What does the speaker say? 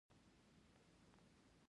اباد دې وي زموږ وطن.